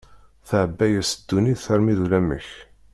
Tεebba-yas ddunit armi d ulamek.